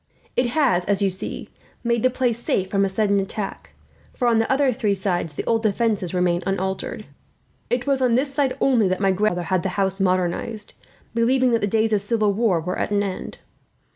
It has, as you see, made the place safe from a sudden attack, for on the other three sides the old defences remain unaltered. It was on this side, only, that my grandfather had the house modernized, believing that the days of civil war were at an end.